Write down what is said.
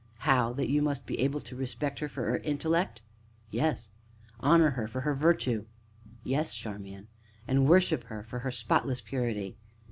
"How that you must be able to respect her for her intellect?" "Yes." "Honor her for her virtue?" "Yes, Charmian." "And worship her for her spotless purity?"